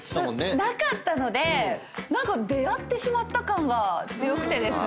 なかったので何か出合ってしまった感が強くてですね。